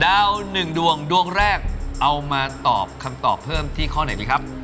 แล้วหนึ่งดวงดวงแรกเอามาตอบคำตอบเพิ่มที่ข้อไหนดีครับ